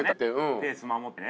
ペース守ってね。